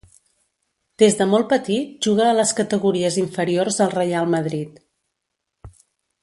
Des de molt petit juga a les categories inferiors del Reial Madrid.